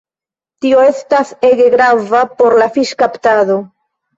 Tio estas ege grava por la fiŝkaptado.